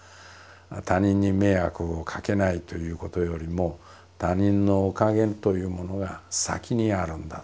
他人に迷惑をかけないということよりも他人のおかげというものが先にあるんだと。